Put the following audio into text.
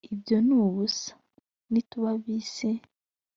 ibyo ni ubusa. nituba ab’isi